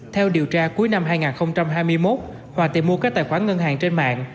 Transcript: theo điều tra cuối năm hai nghìn hai mươi một hòa tìm mua các tài khoản ngân hàng trên mạng